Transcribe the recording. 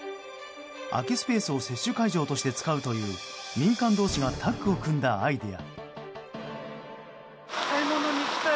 空きスペースを接種会場として使うという民間同士がタッグを組んだアイデア。